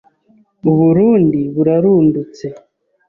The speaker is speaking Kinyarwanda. U Burundi burarundutse